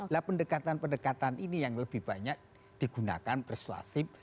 lah pendekatan pendekatan ini yang lebih banyak digunakan persuasif